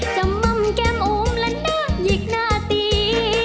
จะม่ำแก้มอุ้มและน้ำยิ่งหน้าตี